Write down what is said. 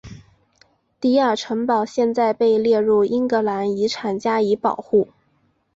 迪尔城堡现在被列入英格兰遗产加以保护。